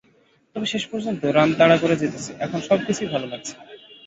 তবে শেষ পর্যন্ত রান তাড়া করে জিতেছি, এখন সবকিছুই ভালো লাগছে।